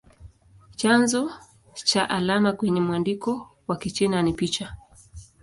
Chanzo cha alama kwenye mwandiko wa Kichina ni picha.